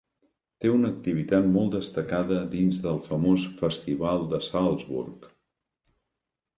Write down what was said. Té una activitat molt destacada dins del famós Festival de Salzburg.